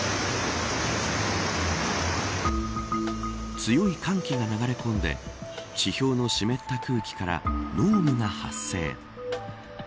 強い寒気が流れ込んで地表の湿った空気から濃霧が発生。